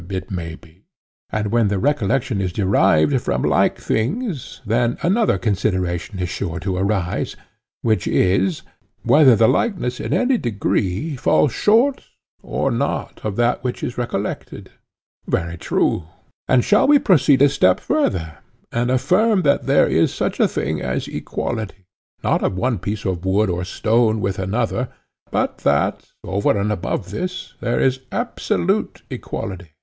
It may be. And when the recollection is derived from like things, then another consideration is sure to arise, which is—whether the likeness in any degree falls short or not of that which is recollected? Very true, he said. And shall we proceed a step further, and affirm that there is such a thing as equality, not of one piece of wood or stone with another, but that, over and above this, there is absolute equality?